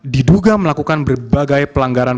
diduga melakukan berbagai pelanggaran